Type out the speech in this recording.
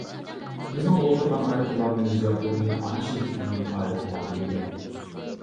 بىزنىڭ ئولتۇرغان ئايروپىلانىمىز ياپونىيە «ئانا» شىركىتىنىڭ ئايروپىلانى ئىدى.